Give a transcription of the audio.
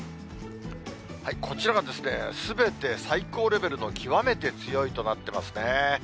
こちらがですね、すべて最高レベルの極めて強いとなっていますね。